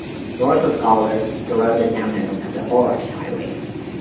North of Gawler, the road is now known as the Horrocks Highway.